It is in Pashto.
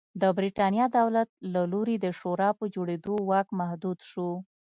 د برېټانیا دولت له لوري د شورا په جوړېدو واک محدود شو.